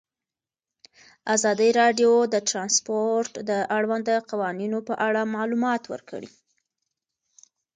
ازادي راډیو د ترانسپورټ د اړونده قوانینو په اړه معلومات ورکړي.